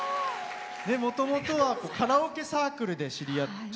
もともとはカラオケサークルで知り合って。